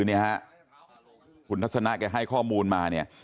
และก็คือคุณทัชซะนาแกให้ข้อมูลมาเนี่ย